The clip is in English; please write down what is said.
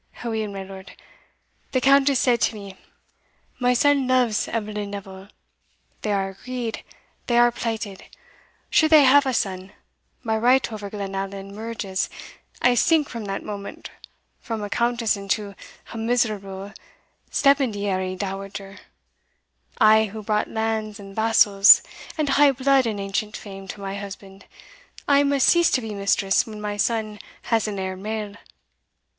Aweel, my Lord the Countess said to me, My son loves Eveline Neville they are agreed they are plighted: should they have a son, my right over Glenallan merges I sink from that moment from a Countess into a miserable stipendiary dowager, I who brought lands and vassals, and high blood and ancient fame, to my husband, I must cease to be mistress when my son has an heir male.